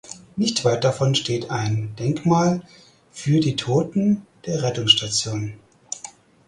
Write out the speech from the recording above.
Nicht weit davon steht ein Denkmal für die Toten der Rettungsstation.